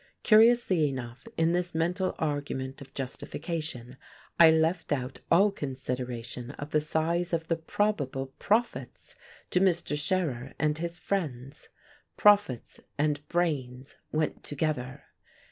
Curiously enough, in this mental argument of justification, I left out all consideration of the size of the probable profits to Mr. Scherer and his friends. Profits and brains went together.